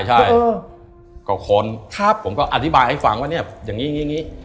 ใช่ก็คนผมก็อธิบายให้ฟังว่าเนี่ยอย่างนี้